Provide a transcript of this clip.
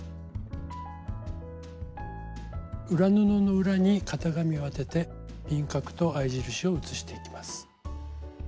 裏布の裏に型紙を当てて輪郭と合い印を写していきます。